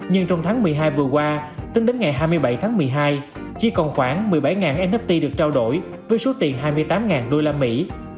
nhưng trong tháng một mươi hai vừa qua tính đến ngày hai mươi bảy tháng một mươi hai chỉ còn khoảng một mươi bảy nft được trao đổi với số tiền hai mươi tám đô la mỹ